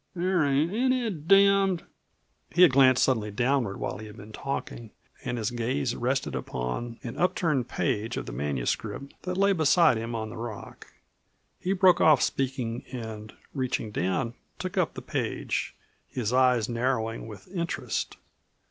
There ain't any damned " He had glanced suddenly downward while he had been talking and his gaze rested upon an upturned page of the manuscript that lay beside him on the rock. He broke off speaking and reaching down took up the page, his eyes narrowing with interest.